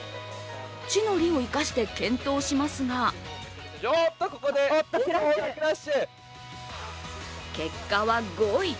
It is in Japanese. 地の利を生かして健闘しますが結果は５位。